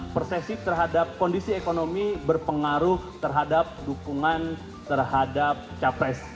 persesif terhadap kondisi ekonomi berpengaruh terhadap dukungan terhadap capres